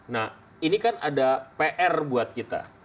nah ini kan ada pr buat kita